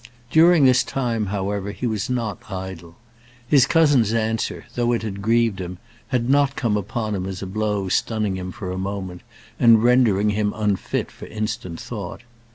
During this time, however, he was not idle. His cousin's answer, though it had grieved him, had not come upon him as a blow stunning him for a moment, and rendering him unfit for instant thought.